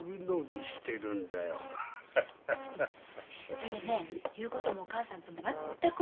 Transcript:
それでね言うこともお母さんと全く同じ。